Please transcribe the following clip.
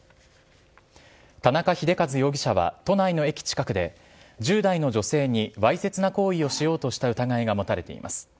田中秀和容疑者は、都内の駅近くで１０代の女性にわいせつな行為をしようとした疑いが持たれています。